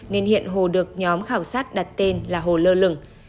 nên hiện hồ được nhóm khảo sát đặt tên là hồ lơ lửng